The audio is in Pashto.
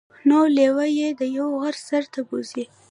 نو لیوه يې د یوه غره سر ته بوځي.